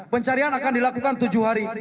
pencarian akan dilakukan tujuh hari